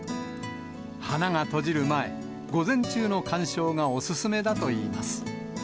花が閉じる前、午前中の観賞がお勧めだといいます。